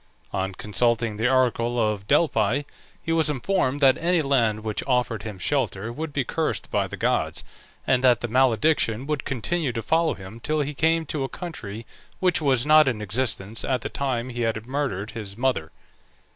On consulting the oracle of Delphi he was informed that any land which offered him shelter would be cursed by the gods, and that the malediction would continue to follow him till he came to a country which was not in existence at the time he had murdered his mother.